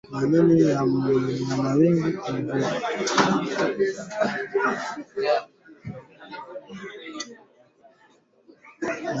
Dalili nyingine ya ugonjwa ni kupumua kwa shida kwa mnyama